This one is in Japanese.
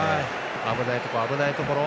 危ないところ、危ないところ。